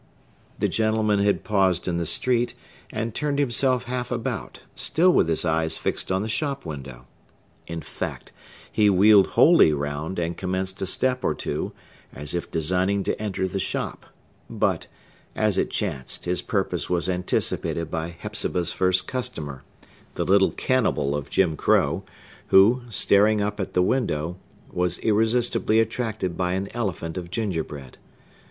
The gentleman had paused in the street, and turned himself half about, still with his eyes fixed on the shop window. In fact, he wheeled wholly round, and commenced a step or two, as if designing to enter the shop; but, as it chanced, his purpose was anticipated by Hepzibah's first customer, the little cannibal of Jim Crow, who, staring up at the window, was irresistibly attracted by an elephant of gingerbread.